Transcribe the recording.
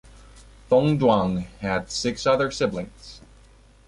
Thongduang had six other siblings.